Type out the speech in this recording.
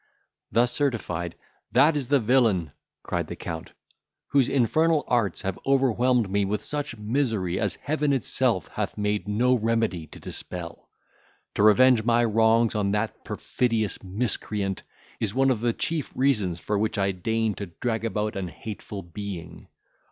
Thus certified, "That is the villain," cried the Count, "whose infernal arts have overwhelmed me with such misery as Heaven itself hath made no remedy to dispel! To revenge my wrongs on that perfidious miscreant, is one of the chief reasons for which I deign to drag about an hateful being.